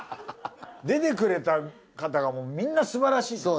出てくれた方がみんなすばらしいから。